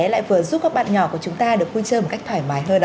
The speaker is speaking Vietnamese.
lại vừa giúp các bạn nhỏ của chúng ta được vui chơi một cách thoải mái hơn